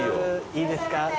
いいですか。